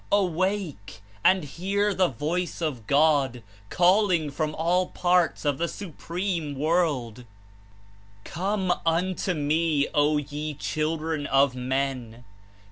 Awake, and hear the Voice of God calling from all parts of the Supreme World: 'Come unto Me, O ye children of men!